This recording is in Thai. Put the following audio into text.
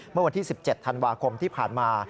เมื่อวันที่๑๗ธันวาคมที่ผ่านมา